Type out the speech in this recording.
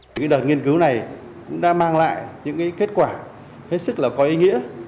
cái đợt nghiên cứu này đã mang lại những kết quả hết sức là có ý nghĩa